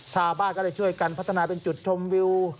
ชาวบ้านก็เลยช่วยกันพัฒนาเป็นจุดชมวิว